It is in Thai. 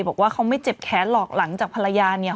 บอกว่าเขาไม่เจ็บแค้นหรอกหลังจากภรรยาเนี่ย